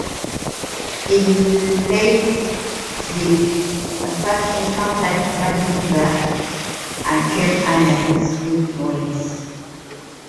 In Leipzig he first encountered Martin Luther and came under his influence.